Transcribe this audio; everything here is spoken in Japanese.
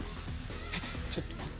えっちょっと待って。